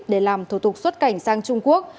để làm thủ tục xuất cảnh sang trung quốc